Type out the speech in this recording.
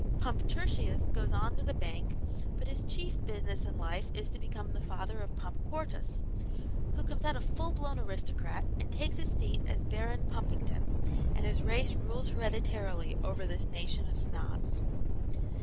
Pump Tertius goes on with the bank; but his chief business in life is to become the father of Pump Quartus, who comes out a full blown aristocrat, and takes his seat as Baron Pumpington, and his race rules hereditarily over this nation of Snobs.